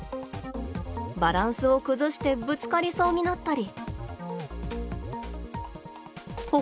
バランスを崩してぶつかりそうになったり。